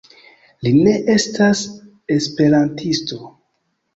Li ne estas esperantisto.